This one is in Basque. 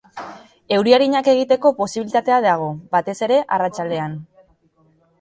Euri arinak egiteko posibilitatea dago, batez ere arratsaldean.